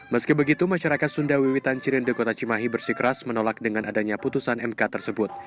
meski begitu masyarakat sunda wiwitan cirende kota cimahi bersikeras menolak dengan adanya putusan mk tersebut